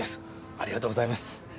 ありがとうございます。